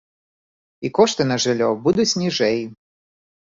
І кошты на жыллё будуць ніжэй.